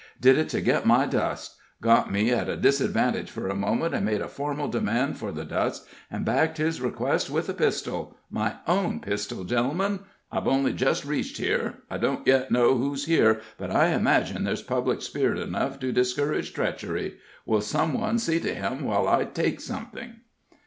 Did it to get my dust. Got me at a disadvantage for a moment, and made a formal demand for the dust, and backed his request with a pistol my own pistol, gentlemen! I've only just reached here; I don't yet know who's here, but I imagine there's public spirit enough to discourage treachery. Will some one see to him while I take something?"